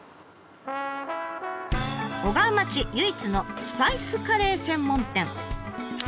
小川町唯一のスパイスカレー専門店。